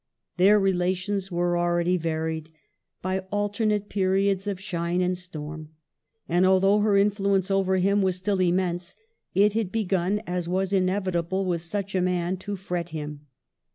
Their relations were already varied by alter nate periods of shine and storm ; and although her influence over him was strll immense, it had begun, as was inevitable with such a man, to fret him.